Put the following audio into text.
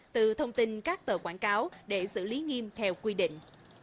từ thông tin các tờ quảng cáo để xử lý nghiêm theo quy định